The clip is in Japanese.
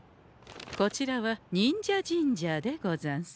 こちらは忍者ジンジャーでござんす。